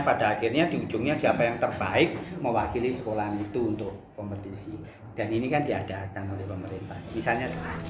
pada akhirnya di ujungnya siapa yang terbaik mewakili sekolahan itu untuk kompetisi dan ini kan diadakan oleh pemerintah